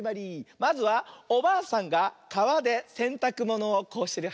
まずはおばあさんがかわでせんたくものをこうしてる。